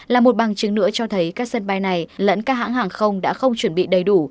là một bằng chứng nữa cho thấy các sân bay này lẫn các hãng hàng không đã không chuẩn bị đầy đủ